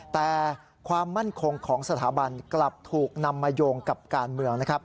แต่ความมั่นคงของสถาบันกลับถูกนำมาโยงกับการเมืองนะครับ